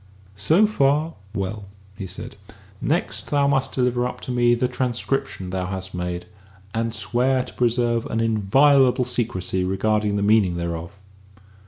"So far, well," he said; "next thou must deliver up to me the transcription thou hast made, and swear to preserve an inviolable secrecy regarding the meaning thereof."